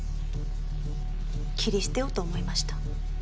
切り捨てようと思いました。